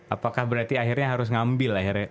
apakah berarti akhirnya harus ngambil akhirnya